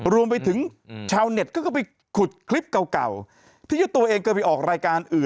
รวมไปถึงชาวเน็ตก็ไปขุดคลิปเก่าที่เจ้าตัวเองเคยไปออกรายการอื่น